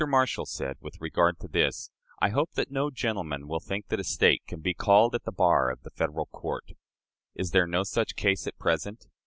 Marshall said, with regard to this: "I hope that no gentleman will think that a State can be called at the bar of the Federal court. Is there no such case at present?